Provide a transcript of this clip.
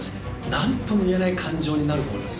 何とも言えない感情になると思います